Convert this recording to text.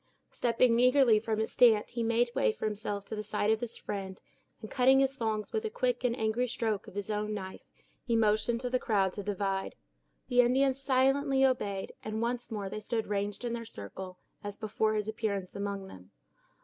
Stepping eagerly from his stand, he made way for himself to the side of his friend; and cutting his thongs with a quick and angry stroke of his own knife, he motioned to the crowd to divide. The Indians silently obeyed, and once more they stood ranged in their circle, as before his appearance among them.